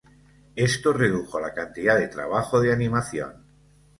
Esto redujo la cantidad de trabajo de animación.